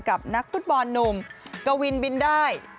กับนักฟุตบอลหนุ่มกวินบินได้